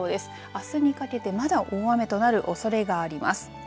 あすにかけてまだ大雨となるおそれがあります。